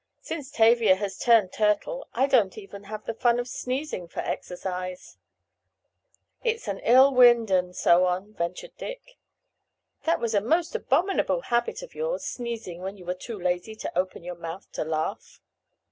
"Since Tavia has 'turned turtle' I don't even have the fun of sneezing for exercise." "It's an ill wind—and so on," ventured Dick. "That was a most abominable habit of yours—sneezing when you were too lazy to open your mouth to laugh."